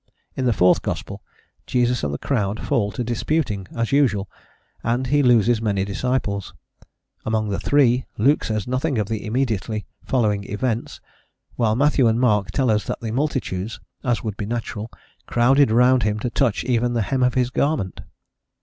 In the fourth gospel, Jesus and the crowd fall to disputing, as usual, and he loses many disciples: among the three, Luke says nothing of the immediately following events, while Matthew and Mark tell us that the multitudes as would be natural crowded round him to touch even the hem of his garment.